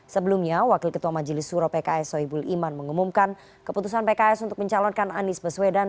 sebelumnya wakil ketua majelis suro pks soebul iman mengumumkan keputusan pks untuk mencalonkan anies baswedan